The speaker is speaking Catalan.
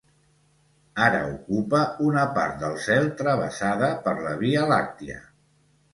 Ara ocupa una part del cel travessada per la Via Làctia.